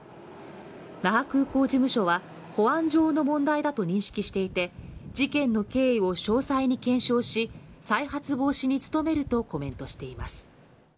那覇空港事務所は、保安上の問題だと認識していて、事件の経緯を詳細に検証し、再発防止に努めるとコメントしています。